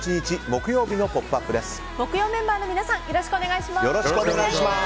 木曜メンバーの皆さんよろしくお願いします。